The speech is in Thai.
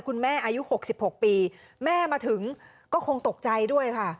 อายุ๖๖ปีแม่มาถึงก็คงตกใจด้วยค่ะ